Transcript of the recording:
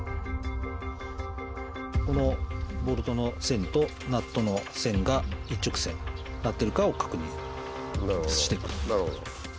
このボルトの線とナットの線が一直線になってるかを確認していくと。